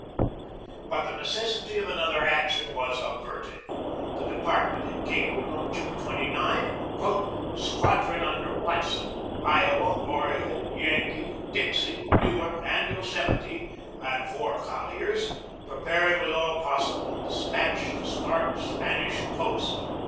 But the necessity of another action was averted. The department had cabled on June 29: "Squadron under Watson, Iowa, Oregon, Yankee, Dixie, Newark, and Yosemite and four colliers, preparing with all pos sible despatch to start Spanish coast.